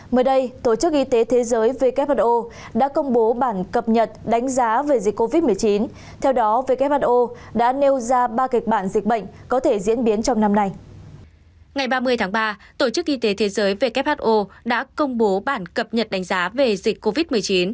mới đây tổ chức y tế thế giới who đã công bố bản cập nhật đánh giá về dịch covid một mươi chín